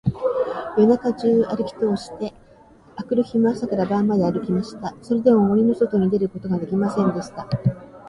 夜中じゅうあるきとおして、あくる日も朝から晩まであるきました。それでも、森のそとに出ることができませんでした。